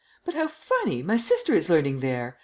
"But how funny! My sister is learning there.